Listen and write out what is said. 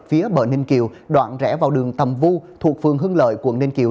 phía bờ ninh kiều đoạn rẽ vào đường tầm vu thuộc phường hưng lợi quận ninh kiều